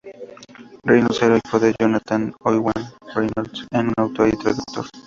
Reynolds era hijo de Jonathan Owain Reynolds, un autor y traductor.